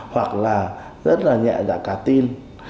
hoặc là rất là nhẹ dạ cả tin